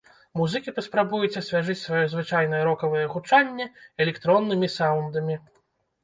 Музыкі паспрабуюць асвяжыць сваё звычайнае рокавае гучанне электроннымі саўндамі.